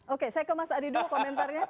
oke saya ke mas adi dulu komentarnya